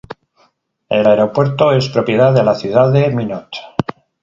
El aeropuerto es propiedad de la ciudad de Minot.